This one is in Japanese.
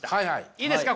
いいですか？